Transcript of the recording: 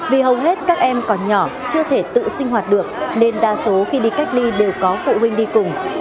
vì hầu hết các em còn nhỏ chưa thể tự sinh hoạt được nên đa số khi đi cách ly đều có phụ huynh đi cùng